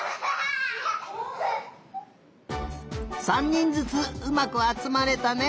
３にんずつうまくあつまれたね。